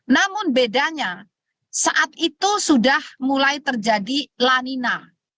namun bedanya saat itu sudah mulai terjadi lanina